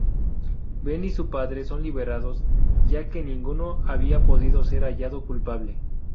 Ben y su padre son liberados, ya que ninguno había podido ser hallado culpable.